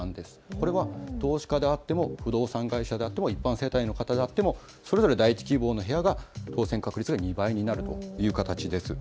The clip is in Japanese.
これは投資家であっても不動産会社であっても一般世帯の方であってもそれぞれ第１希望の部屋は当せん確率、２倍になるという形です。